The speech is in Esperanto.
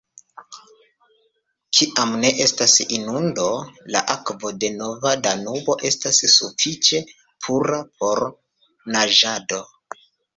Kiam ne estas inundo, la akvo de Nova Danubo estas sufiĉe pura por naĝado.